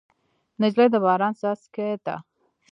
نجلۍ د باران څاڅکی ده.